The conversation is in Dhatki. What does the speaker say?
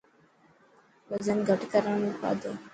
وزن گهٽ ڪرڻ رو کادو.